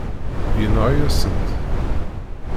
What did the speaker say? Yenɣa-yasen-t.